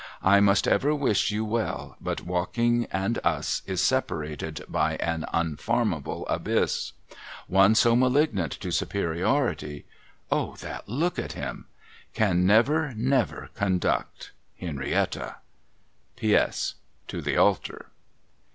I must ever wish you well, but walking and us is separated by an unfarmable abyss. One so malignant to superiority — Oh that look at him !— can never never conduct Henrietta P.S.— To the altar.'